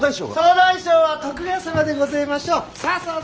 総大将は徳川様でごぜましょ！